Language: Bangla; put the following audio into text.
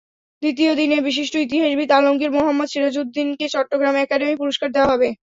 দ্বিতীয় দিনে বিশিষ্ট ইতিহাসবিদ আলমগীর মোহাম্মদ সিরাজুদ্দিনকে চট্টগ্রাম একাডেমি পুরস্কার দেওয়া হবে।